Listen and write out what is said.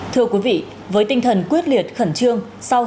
thưa quý vị với tinh thần quyết liệt khẩn trương